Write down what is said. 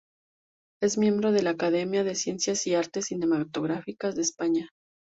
Es miembro de la Academia de Ciencias y Artes Cinematográficas de España.